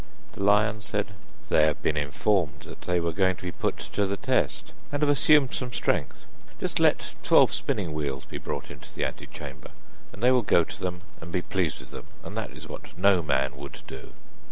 The lion said: 'They have been informed that they were going to be put to the test, and have assumed some strength. Just let twelve spinning wheels be brought into the ante chamber, and they will go to them and be pleased with them, and that is what no man would do.